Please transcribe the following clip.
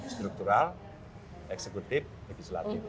struktural eksekutif dan disiapkan